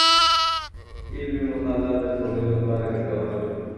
علمي مطالعه د ټولني لپاره ګټوره ده.